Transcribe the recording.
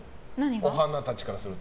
お花たちからすると。